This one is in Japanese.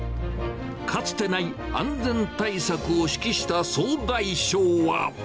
かつてない安全対策を指揮した総大将は。